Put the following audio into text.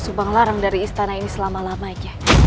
subanglarang dari istana ini selama lamanya